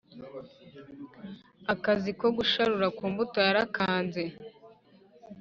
Akazi ko gusharura ku mbuto yarakanze